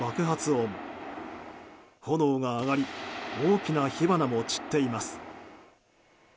炎が上がり大きな火花も散っています。